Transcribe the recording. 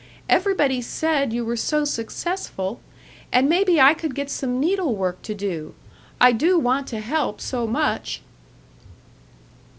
Everybody said you were so successful. And maybe I could get some needlework to do. I do want to help so much."